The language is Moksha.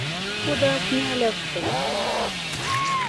Кода аф мяляфтомс!